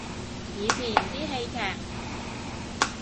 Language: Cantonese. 以前啲戲劇